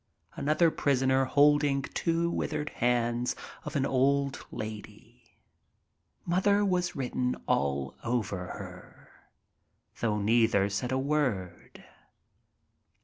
Another prisoner holding two withered hands of an old lady. Mother was written all over her, though neither said a word.